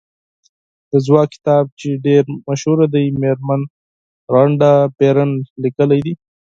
د ځواک کتاب چې ډېر مشهور دی مېرمن رانډا بېرن لیکلی دی.